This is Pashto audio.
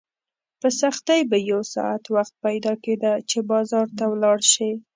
په سختۍ به یو ساعت وخت پیدا کېده چې بازار ته ولاړ شې.